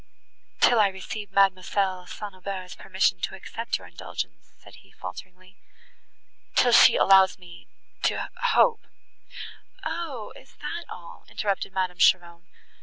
"Till I receive Mademoiselle St. Aubert's permission to accept your indulgence," said he, falteringly—"till she allows me to hope—" "O! is that all?" interrupted Madame Cheron.